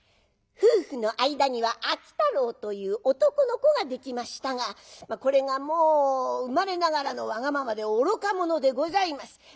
夫婦の間には秋太郎という男の子ができましたがこれがもう生まれながらのわがままで愚か者でございます。